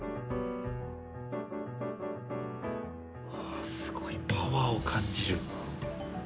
わあすごいパワーを感じる。